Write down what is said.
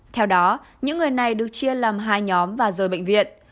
theo đó những người này được chia làm hai nhóm và rời bệnh viện